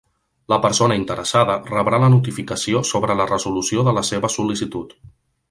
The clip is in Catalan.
La persona interessada rebrà la notificació sobre la resolució de la seva sol·licitud.